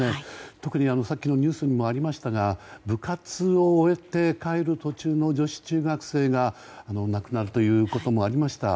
特にさっきのニュースにもありましたが部活を終えて帰る途中の女子中学生が亡くなるということもありました。